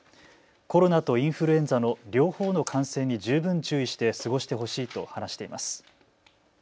コロナとインフルエンザの両方の感染に十分注意して過ごしてほしいと話しています。